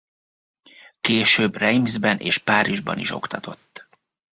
Később Reims-ben és Párizsban is oktatott.